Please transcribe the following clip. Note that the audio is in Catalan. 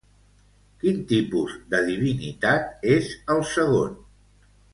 Quin tipus de divinitat és el segon?